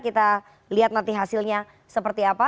kita lihat nanti hasilnya seperti apa